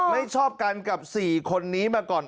ไม่ชอบกันกับ๔คนนี้มาก่อน